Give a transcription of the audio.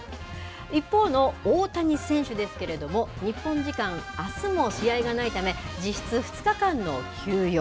一方の大谷選手ですけれども日本時間あすも試合がないため実質、２日間の休養。